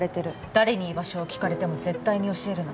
誰に居場所を聞かれても絶対に教えるな。